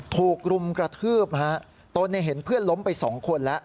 ถูกรุมกระทืบฮะตนเห็นเพื่อนล้มไปสองคนแล้ว